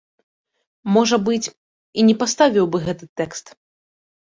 Можа быць, і не паставіў бы гэты тэкст.